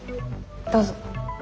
どうぞ。